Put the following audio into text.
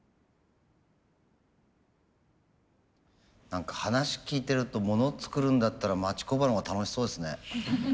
何か話聞いてるとモノ作るんだったら町工場のほうが楽しそうですね。